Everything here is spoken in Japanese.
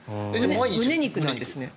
胸肉なんですね。